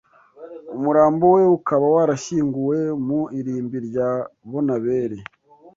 Umurambo we ukaba warashyinguwe mu irimbi rya Bonaberi